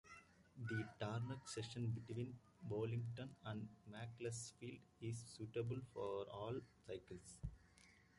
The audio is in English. The tarmac section between Bollington and Macclesfield is suitable for all cycles.